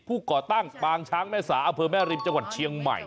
ก่อตั้งปางช้างแม่สาอำเภอแม่ริมจังหวัดเชียงใหม่